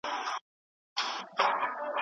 چی تل پایی باک یې نسته له ژوندونه